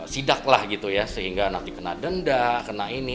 sidak lah gitu ya sehingga anak dikena denda kena ini